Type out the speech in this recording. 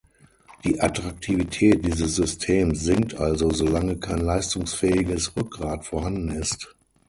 Die Attraktivität dieses Systems sinkt also, solange kein leistungsfähiges Rückgrat vorhanden ist.